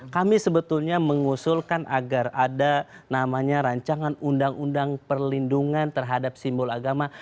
kami sebetulnya mengusulkan agar ada namanya rancangan undang undang perlindungan terhadap simbol agama